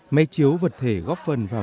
máy chiếu vật thể góp phần vào